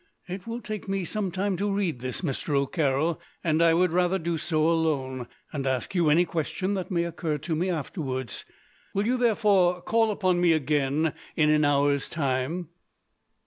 "It will take me some time to read this, Mr. O'Carroll, and I would rather do so alone, and ask you any question that may occur to me afterwards. Will you therefore call upon me again, in an hour's time?"